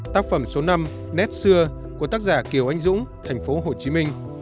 tác phẩm số năm nét xưa của tác giả kiều anh dũng tp hcm